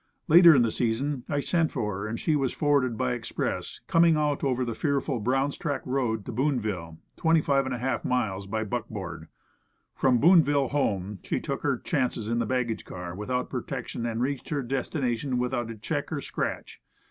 Later in the season, I sent for her, and she was forwarded by ex press, coming out over the fearful Brown's Tract road to Boonville (25^ miles) by buckboard. From Boonville home, she took her chances in the baggage car without protection, and reached her destination without a check or scratch.